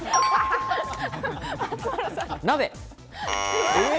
鍋。